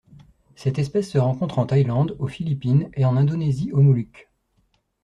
Cette espèce se rencontre en Thaïlande, aux Philippines et en Indonésie aux Moluques.